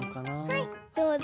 はいどうぞ。